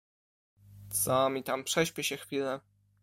Co mi tam, prześpię się chwilę.